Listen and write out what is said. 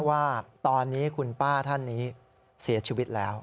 ว่าตอนนี้คุณป้าท่านนี้เสียชีวิตแล้ว